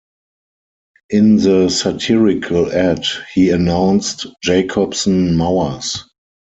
In the satirical ad, he announced: Jacobsen Mowers.